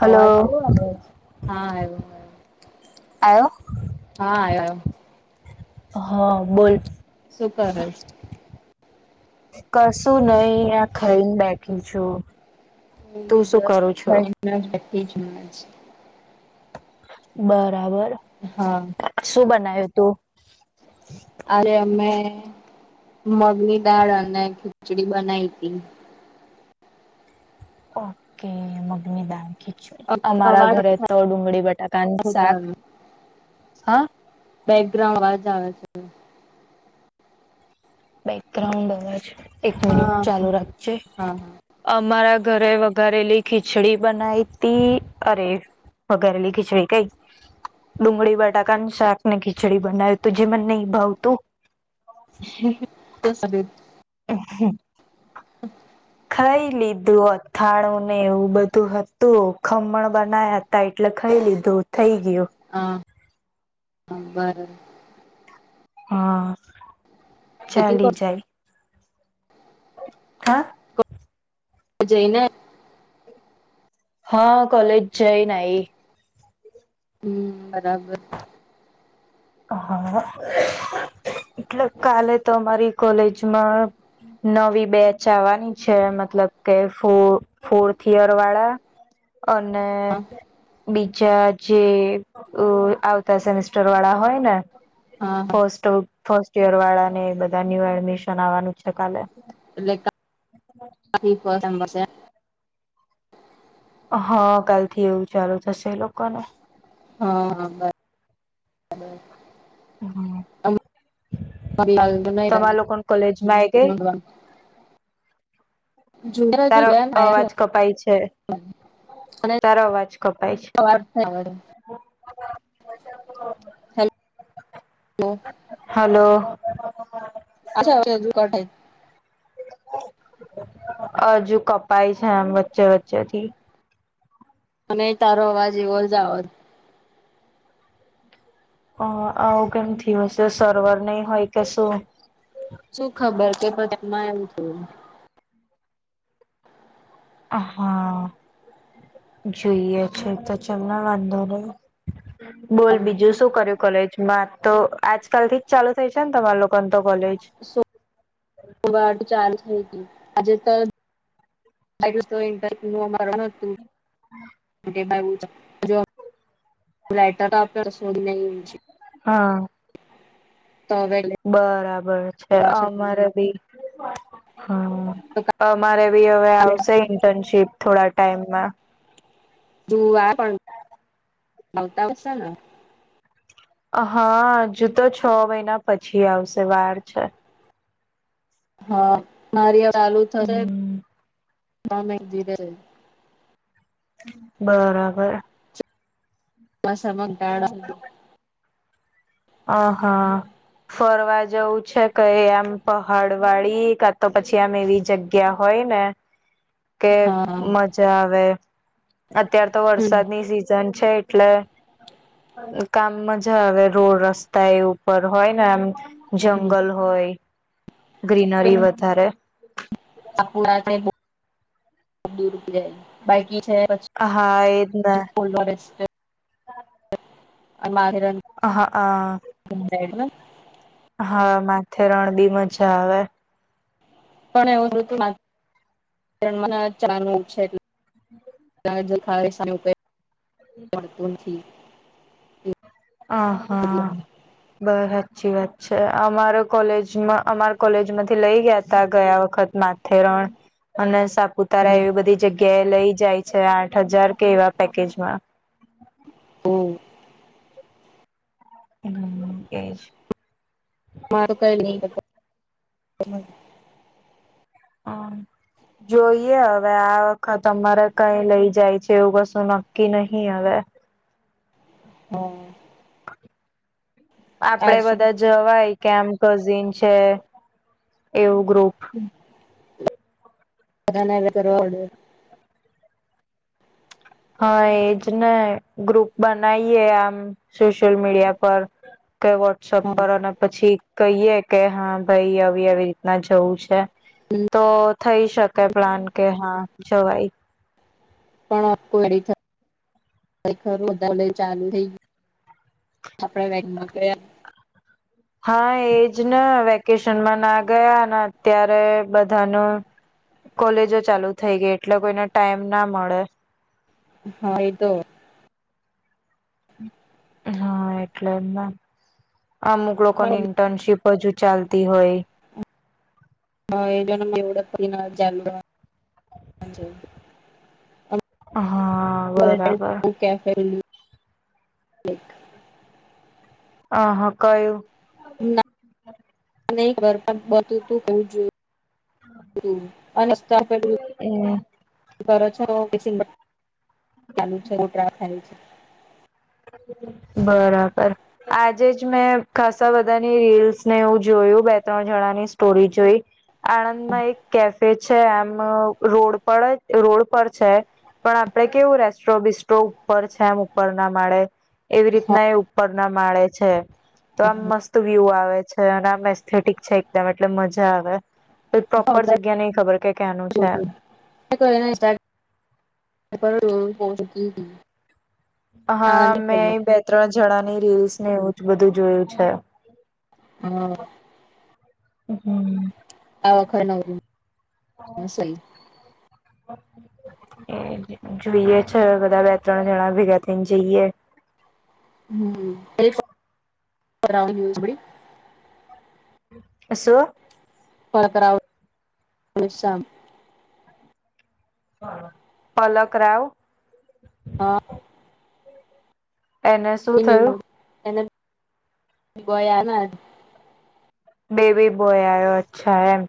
Hello અવાજ કેવો આવે છ? હા આયો અવાજ. આયો? હા આયો આયો. હહ બોલ. શું કરશ? કશું નહી આ ખઈને બેઠી છું. તું શું કરું છો? અહીંયા જ બેઠી છું અહીંયા જ. બરાબર હા શું બનાયું તું? અરે! અમે મગની દાળ અને ખીચડી બનાઈ તી. ઓકે મગની દાળને ખીચ અમારા અવાજ ઘરે તો ડુંગળી બટાકાની શાક હા બેકગ્રાઉન્ડ અવાજ આવે છે. બેકગ્રાઉન્ડ અવાજ એક મિનિટ હા ચાલુ રાખજે. હા અમારા ઘરે વઘારેલી ખીચડી બનાઈતી અરે વગારેલી ખીચડી કઈ? ડુંગળી બટાકાનું શાકને ખીચડી બનાયું તું. જે મને નઈ ભાવતું. [inaudible] અ હમ [inaudible] ખાઈ લીધું અથાણુંને એવું બધું હતું. ખમણ બના્યા તા એટલે ખઈ લીધું, થઈ ગયું. હંઅ વાત હા ચાલી જાય હા [unintelligible] બજને [unintelligible] હા કોલેજ જ નહી હમ બરાબર હા એટલે કાલે તો અમારી કોલેજમાં નવી બેચ આવવાની છે મતલબ કે ફૂ ફોર્થિયર વાળા અને હા બીજ. જે આવતા સેમેિસ્ટર વાળા હોય ને હા ફસ્ટ ફર્સ્ટ યર વાળા ને બધા ન્યુ એડમિશન આવવાનું છે કાલે એટલેી [unintelligible] હા કાલથી એવું ચાલુ થશે લોકોને હા હા બ [unintelligible] હમ તમા લોકો કોલેજમાં આવી ગયા. તારો હા અવાજ બરાબર. કપાય છે તારો અવાજ કપાય છે. હડ [unintelligible] હલો [unintelligible] હલો અ [unintelligible] હજુ કપાય છે આમ વચ્ચે વચ્ચે થી. મને તારો અવાજ એવો જ આવજ અ આવું કેમ થ હશે સર્વર નહી હોય કે શું? શું ખબર કે પધામાં એવું થયું? હા જોઈએ છે તો ચાલ વાંધો નહી. બોલ બીજું શું કર્યું કોલેજમાં તો આજકાલ થી જ ચાલુ થઈ છે ને તમારા લોકોને તો કોલેજ સ સઠ ચાલ થાય આજે તો [unintelligible] એ તોન્ટ માર ન હતું. હા [unintelligible] લટર તો શોધ ન [unintelligible] હા તોવે [unintelligible] બરાબર છે અમારે ભી હમ અમારે બી હવે આવશે ઇન્ટર્નશીપ થોડા ટાઈમમાં જુ પણ આવતા [unintelligible] હા હજુ તો છ મહિના પછી આવશે વાર છે. હા મારી ચાલુ હમ. થશે ધીરે બરાબર બસ મગ ડાળ [unintelligible] હ હા [unintelligible] ફરવા જવું છે કઈ આમ પહાડ વાળી કા તો પછી આમ એવી જગ્યા હોય ને કે હા મજા આવે અત્યાર તો વરસાદની સિ છે એટલે કામ મજા આવે રોડ રસ્તા રસ્તા ઉપર હોય ને આમ જંગલ હોય. ગ્રીનરી વધારે આપુડા દૂર જાય બાકી છે. હા એજ ને પીસ્ટર [unintelligible] હા હ હા માથે રણ બી મજા આવે પણ એવુંતું [unintelligible] અત્યારે મને ચા નું છે. ડાઢ દુખાવે [unintelligible] [unintelligible] આ હા બહું સાચી વાત છે અમારો કોલેજમાં અમાર કોલેજ માંથી લઇ ગયા તા ગયા વખત મા. થેરણ અને સાપુતા તારા એવી બધી જગ્યા એ લઈ જાય છે. આઠ હજાર કે એવા પેકેજમાં, હમ્મ હમ્મ એજ તો કઈનય [unintelligible] અહઃ જોઈએ હવે આ વખત અમાંરે કઈ લઈ જાય છે એવું કશું નક્કી નહી હવે, [inaudible] [unintelligible] આપડે આજ બધા જવાય કે આમ કઝિન છે એવું ગ્રુપ [unintelligible] બ ના એ કરવાડે હા એજ ને ગ્રુપ બનાવીએ આમ સોશિયલ મીડિયા પર કે વોટ્સઅપ હા પર અને, પછી કહીએ કે હા ભાઈ આવી આવી રીતના જવું છે તો થઈ શકે પ્લાન કે હા જવાય. પણ આખું મેડિકલ [unintelligible] આપડા વેગમાં [inaudible] હા એજ ને વેકેશનમાં ના ગયા અન અત્યારે બધાનું, કોલેજો ચાલુ થઈ ગઈ એટલે કોઈને ટાઈમ ના મળે. હા એ તો હા એટલે એમ અમુક ના લોકોની ઇન્ટર્નશીપ હજુ ચાલતી હોય. હા એ જો ન એવડના જાલુ [inaudible] હ હા બરાબર [unintelligible] કેફે કર્યુ? અહઃ ક્યુ? [unintelligible] ની નઇ કરતા બધું તું હોવું જોઈ [unintelligible] અને સ્થાપેલું [unintelligible] હમ [unintelligible] કરે છે હુ ટીફીન બનાવ ચાલુ છેટ્ર થાય છે બરાબર આજે જ મેં ખાસા બધાની રીલ્સ. નેવું જોયું બે ત્રણ જણાની સ્ટોરી જોઈ આણંદમાં એક કેફે છે એમ રોડ પર જ રોડ પર છે. પણ આપડે કેવું રેસ્ટ્રો બિસ્ટો ઉપર છે એમ ઉપર નામ માળે એવી રીતના એ ઉપર ના માળે છે તો આમ મસ્ત વ્યુ આવે છે. નામ એસ્થેટિક છે એકદમ એટલે મજા આવે. પ્રોપર જગ્યા નહી ખબર કે ક્યાનું છે એમ, [unintelligible] હા મેં બે ત્રણ જણાની રીલ્સ ને એવું જ બધું જોયું છે [unintelligible] હમ્મ આ વખર નવું હ સઈ એ [unintelligible] જોઈએ છ બધા બે ત્રણ જણા ભેગા થઈને જઈએ હમ્મ [unintelligible] એક રાઉન્ડ [inaudible] અસું? [unintelligible] [unintelligible] પલક રાવ [unintelligible] એને શું થયું [unintelligible] બેબી બોય આવ્યો અચ્છા એમ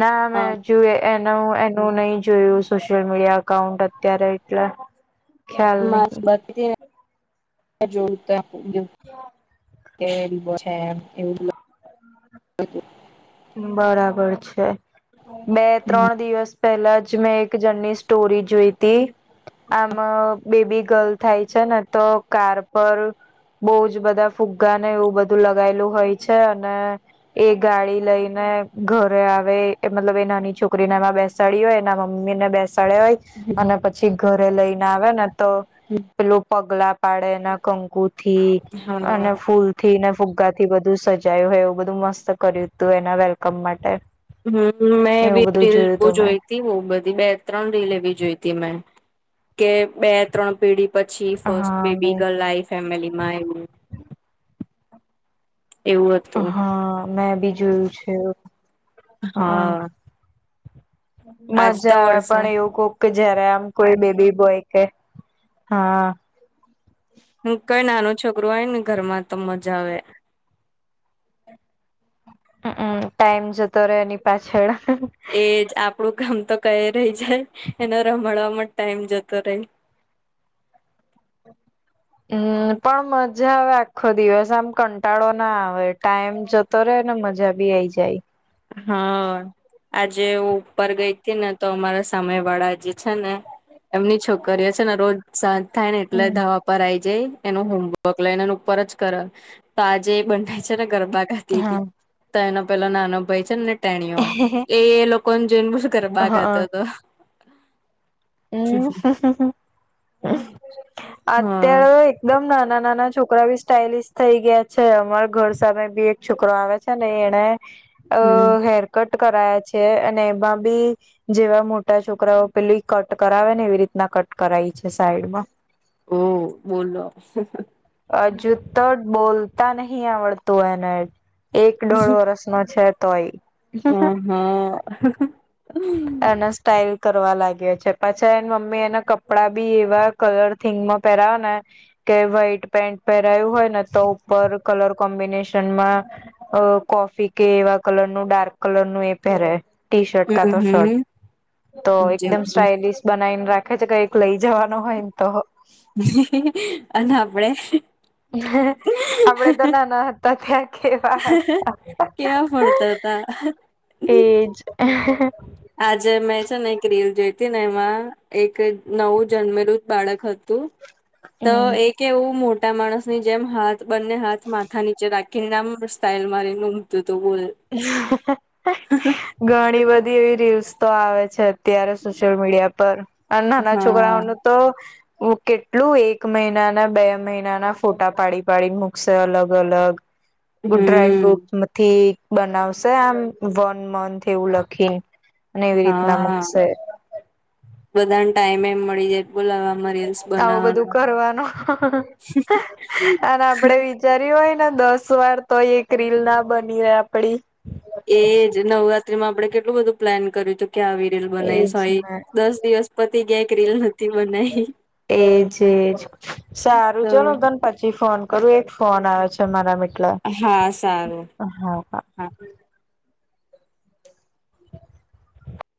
ના મે જો એનું એનું નહી જોયું સોશિયલ મીડિયા એકાઉન્ટ અત્યારે એટલા [unintelligible] હા [inaudible] બરાબર છે બે ત્રણ દિવસ પેલા જ મેં એક જણની સ્ટોરી જોઈ તી આમાં બેબી ગર્લ થાય છે ને તો કાર પર બહુ જ બધા ફુગ્ગા ને એવું બધું લગાયેલું હોય છે અને એ ગાડી લઈને ઘરે આવે મતલબ એ નાની છોકરીને એમાં બેસાડી હોય એના મમ્મી ને બેસાડ્યા હોય. અને પછી ઘરે લઈને આવે ને તો પેલું પગલા પાડે એના કંકુ થી હા અને ફૂલ થી ને ફુગ્ગા થી બધું સજાયું હોય એવું બધું મસ્ત કર્યું હતું એના વેલકમ માટે હમ મેં એવું બી બધું રીલ જોયું બઉ તું મેં જોઈ. તી હુ બધી બે ત્રણ રી લેવી જોઈ ત મેં કે બે ત્રણ પેઢી પછી ફર્સ્ટ હા બેબી મેં ગર્લ આઈ ફેમિલીમાં એવું, એવું હતું હા મેં બી જોયું છે. હ હા આજ મજા તો આવે પણ વરસાદ એવું કોક કે જયારે આમ કોઈ બેબી બોય કે હા કઈ નાનું છોકરું હોય ને ઘરમાં તો મજા આવે. હ ટાઈમ જતો રહે એની પાછળ એજ આપડું કામ તો કઈ રહી જાય એનો રમાડવા જ ટાઈમ જતો રહે. હમ પણ મજા આવે આખો દિવસ આમ કંટાળો ના આવે ટાઈમ જત તરેને મજા બી આઈ જાય. હા આજે હ ઉપર ગઈ હતી ને તો અમારા સામે વાળા જે છે ને એમની છોકરીઓ છે ને રોજ સાંજ થાય ને એટલે હમ ધબ ઉપર આઈ જાય એનું હોમવર્ક લઈને એ ઉપર જ કર તો આજે બંધાય છે ને ગરબા ગ તો એનો પેલો નાનો ભાઈ છે ને તેણીઓ હા એ લોકોને જોઈને બુસુ કરે બા ગાતો તો. હમ્મ હા અત્યારે દમ નાના નાના છોકરા બી સ્ટઇલિશ થઈ ગયા છે અમારા ઘર સામે બી એક છોકરો આવે છે ને એણે [unintelligible] હમ્મ હેરકટ કરાયા છે અને એમાં બી જેવા મોટા છોકરાઓ પેલી કટ કરાવે ને એવી રીતના કટ કરાવી છે સાઈડમાં-' ઓહ બોલો. હજુ તો બોલતા નહી આવડતું એને એક દોઢ વર્ષ છેા અ તય, હા એને સ્ટાઇલ કરવા લાગ્યો છે પાછા એ મમ્મી એના કપડા બી એવા કલર થિંગ માં પેરાવેને ને કે વ્હાઈટ પેન્ટ પહેરાયું હોય ને તો ઉપર કલર કોમ્બિનેશનમાં અ કોફી કે એવા કલર નું ડાર્ક કલર નું એ પહેરે ટી શર્ટ હમ કાતો શર્ટ હમ તો એકદમ જબરું સ્ટાાઈલિશ. બનાવીને રાખે છે કઈક લઈ જવાનો હોય ને તો અને આપડે આપડે તો નાના હતા ત્યાં કેવા હતા. કેવા ભણતા હતા. એજ આજે મેં છે ને એક રીલ જોઈતી ને એમાં એક નવું જન્મરૂત બાળક હતું- તો હમ એક- કે એવું મોટા માણસ ની જેમ હાથ બંને હાથ માથા નીચે રાખીને નામ સ્ટાઇલ મારી- [inaudible] ઘણી બધી એવી રીલ્સ તો આવે છે. અત્યારે સોશિયલ મીડિયા પર અને નાના હા છોકરાઓનું તો કેટલું એક મહિનાના બે મહિનાના ફોટા પાડી પાડીને મૂકશે અલગ અલગ- ડ્રાય હમ્મ ફ્રુટ થી બનાવશે આમ વન મથ- એવું લખીને અને એવી રીતના હા મુકશે બધાને ટાઈમે એમ મળી જાય બોલાવવામાંરી આવું બધું કરવાનું અને આપડે- જરી હોય ને દસ વાર તો એક રીલ ના બની રહે આપડી- એજ નવરાત્રી માં આપડે કેટલું બધું પ્લાન કર્યું હતું કે આવી- રીલ બનાવી એજ સોરી ને દસ દિવસ પતિ ક્યાંક રીલ નથી બનાવી- એજ એજ સારું તો છે ને તને- પછી ફોન કરું એક ફોન આવે્યો છે મારા મટલા- હા સારું- હબ- હા